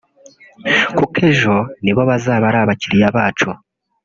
kuko ejo ni bo bazaba ari abakiriya bacu